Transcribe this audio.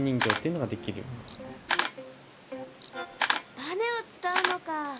ばねを使うのか。